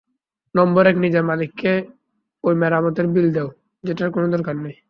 নম্বর এক, নিজের মালিককে ওই মেরামতের বিল দেও যেটার কোনো দরকার নেই।